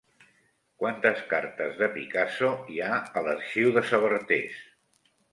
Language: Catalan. Quantes cartes de Picasso hi ha a l'arxiu de Sabartés?